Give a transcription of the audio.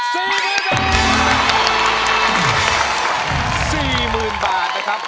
สี่หมื่นบาทนะครับ